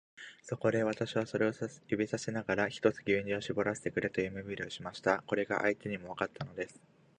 そこで、私はそれを指さしながら、ひとつ牛乳をしぼらせてくれという身振りをしました。これが相手にもわかったのです。